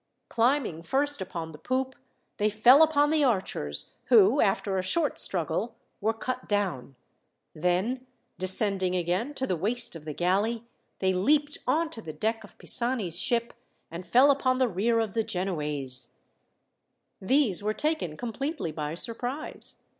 Climbing first upon the poop, they fell upon the archers, who, after a short struggle, were cut down; then, descending again to the waist of the galley, they leaped on to the deck of Pisani's ship, and fell upon the rear of the Genoese. These were taken completely by surprise.